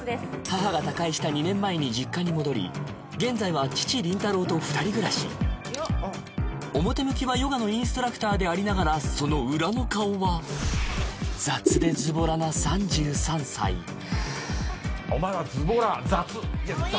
母が他界した２年前に実家に戻り現在は父・林太郎と二人暮らし表向きはヨガのインストラクターでありながらその裏の顔はお前はズボラ雑いや雑なんだよ